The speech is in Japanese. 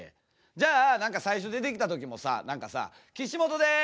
じゃあ何か最初出てきた時もさ何かさ「キシモトです」